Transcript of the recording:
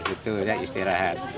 itu ya istirahat